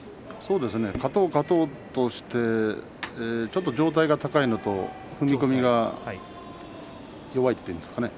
勝とうとして上体が高いのと踏み込みが弱いというんですかね。